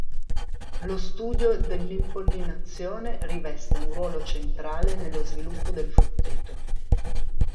Lo studio dell'impollinazione riveste un ruolo centrale nello sviluppo del frutteto.